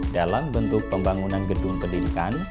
dalam bentuk pembangunan gedung pendidikan